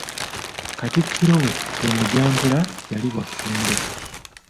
Katikkiro we ye Mujambula yali wa Ffumbe.